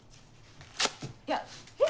いやえっ？